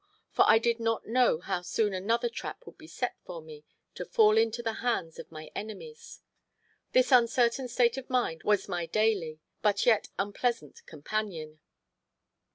for I did not know how soon another trap would be set for me to fall into the hands of my enemies. This uncertain state of mind was my daily, but yet unpleasant, companion.